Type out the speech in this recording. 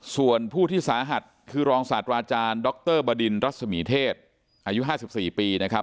ส่วนผู้ที่สาหัสคือรองศาสตราอาจารย์ดรบดินรัศมีเทศอายุ๕๔ปีนะครับ